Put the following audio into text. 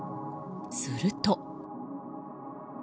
すると。